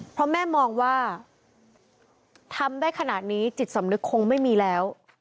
เพราะแม่มองว่าทำได้ขนาดนี้จิตสำนึกคงไม่มีแล้ว